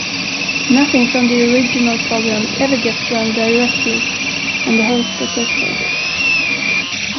Nothing from the original program ever gets run directly on the host processor.